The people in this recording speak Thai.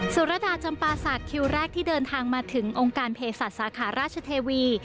สุรดาจำปาศักดิ์คิวแรกที่เดินทางมาถึงองค์การเพศัตว์สาขาราชเทวี